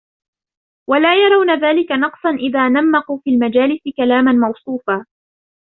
وَلَا يَرَوْنَ ذَلِكَ نَقْصًا إذَا نَمَّقُوا فِي الْمَجَالِسِ كَلَامًا مَوْصُوفًا